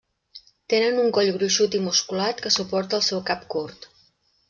Tenen un coll gruixut i musculat que suporta el seu cap curt.